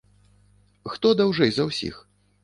Хто даўжэй за ўсіх?